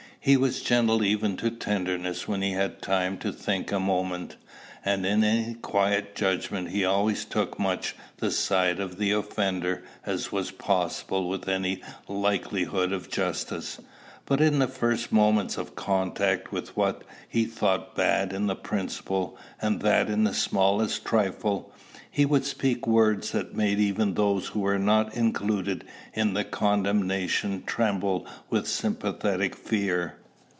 He was gentle even to tenderness when he had time to think a moment, and in any quiet judgment he always took as much the side of the offender as was possible with any likelihood of justice; but in the first moments of contact with what he thought bad in principle, and that in the smallest trifle, he would speak words that made even those who were not included in the condemnation tremble with sympathetic fear.